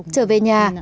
trở về nhà